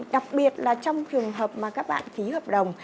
đặc biệt là trong trường hợp mà các bạn ký hợp đồng